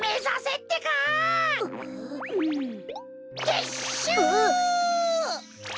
てっしゅう！